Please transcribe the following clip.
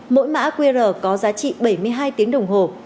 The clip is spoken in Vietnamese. mỗi mã qr có giá trị bảy mươi hai tiếng đồng hồ